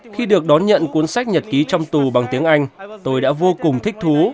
khi được đón nhận cuốn sách nhật ký trong tù bằng tiếng anh tôi đã vô cùng thích thú